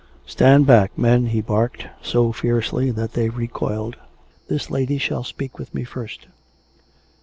" Stand back, men," he barked, so fiercely that they re coiled. " This lady shall speak with me first."